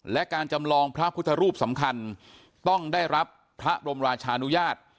และการจำลองพระพุทธรูปสำคัญต้องได้รับพระบรมราชานุญาต